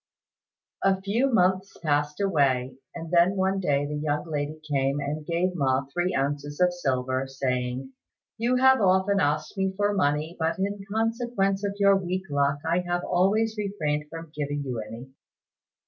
'" A few months passed away, and then one day the young lady came and gave Ma three ounces of silver, saying, "You have often asked me for money, but in consequence of your weak luck I have always refrained from giving you any.